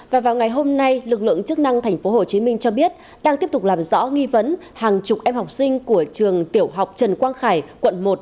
và vào ngày hôm nay lực lượng chức năng tp hcm cho biết đang tiếp tục làm rõ nghi vấn hàng chục em học sinh của trường tiểu học trần quang khải quận một